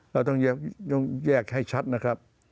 เราต้องแยกให้ชัดนะครับ